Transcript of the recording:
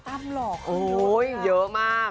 ตั้มหลอกขึ้นด้วยค่ะโหเยอะมาก